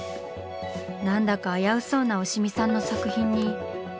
何だか危うそうな押見さんの作品に。